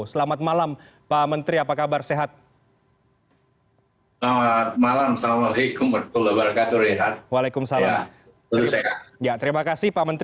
selamat malam pak menteri apa kabar sehat